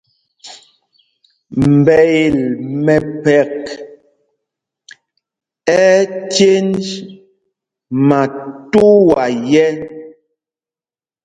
Mbɛel mɛmpek ɛ́ ɛ́ cěnj matuá yɛ̄.